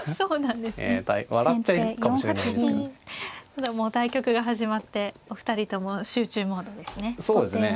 ただもう対局が始まってお二人とも集中モードですね。